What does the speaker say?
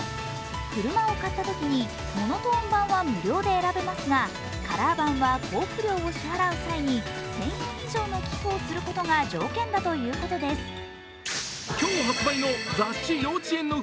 車を買ったときにモノトーン版は無料で選べますがカラー版は交付料を支払う際に１０００円以上の寄付をすることが条件だということです。